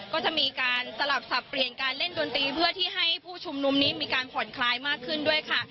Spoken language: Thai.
ก็จะมีการสลับสับเปลี่ยนการเล่นดนตรีเพื่อที่ให้ผู้ชุมนุมนี้มีการผ่อนคลายมากขึ้นด้วยค่ะ